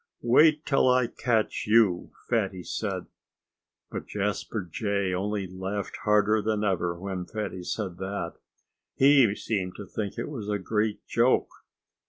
"Wait till I catch you!" Fatty said. But Jasper Jay only laughed harder than ever when Fatty said that. He seemed to think it was a great joke.